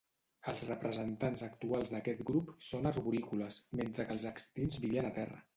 Els representants actuals d'aquest grup són arborícoles, mentre que els extints vivien a terra.